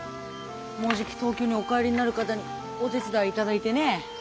もうじき東京にお帰りになる方にお手伝いいただいてねえ。